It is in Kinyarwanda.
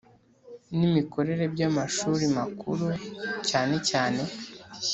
nimikorere by’amashuri makuru cyane cyane